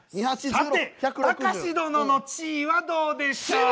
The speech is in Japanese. さてたかし殿の地位はどうでしょう？